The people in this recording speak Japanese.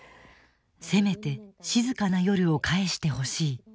「せめて静かな夜を返してほしい」。